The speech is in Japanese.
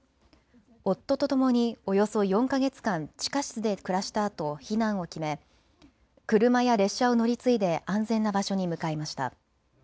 夫とともにおよそ４か月間、地下室で暮らしたあと避難を決め車や列車を乗り継いで安全な場所に向かいました。